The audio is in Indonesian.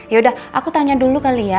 yaudah aku tanya dulu kali ya